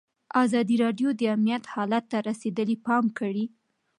ازادي راډیو د امنیت حالت ته رسېدلي پام کړی.